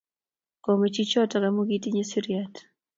Kome chichotok amu kitinye siriat